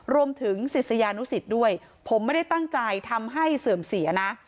ศิษยานุสิตด้วยผมไม่ได้ตั้งใจทำให้เสื่อมเสียนะ